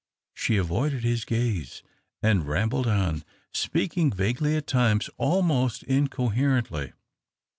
She avoided his gaze, and rambled on — speaking vaguely, at times almost incoherently.